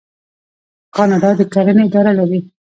کاناډا د کرنې اداره لري.